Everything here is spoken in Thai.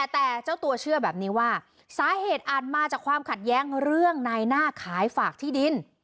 แต่เจ้าตัวเชื่อแบบนี้ว่าสาเหตุอาจมาจากความขัดแย้งเรื่องในหน้าขายฝากที่ดิน